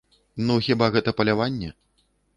Ну хіба гэта паляванне?